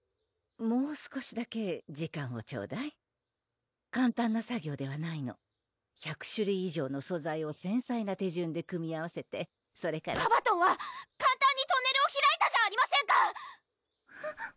もう少しだけ時間をちょうだい簡単な作業ではないの１００種類以上の素材を繊細な手順で組み合わせてそれからカバトンは簡単にトンネルを開いたじゃありませんか！